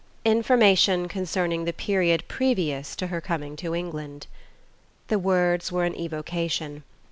"Information concerning the period previous to her coming to England...." The words were an evocation.